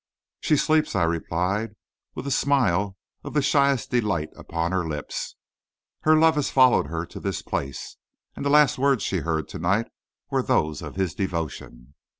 "She sleeps," I replied, "with a smile of the shyest delight upon her lips. Her lover has followed her to this place, and the last words she heard to night were those of his devotion.